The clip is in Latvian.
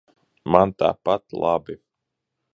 Man tāpat labi.